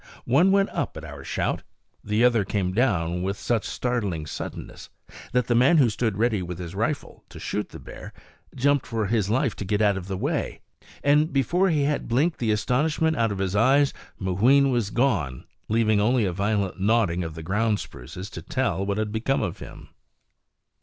One went up at our shout; the other came down with such startling suddenness that the man who stood ready with his rifle, to shoot the bear, jumped for his life to get out of the way; and before he had blinked the astonishment out of his eyes Mooween was gone, leaving only a violent nodding of the ground spruces to tell what had become of him.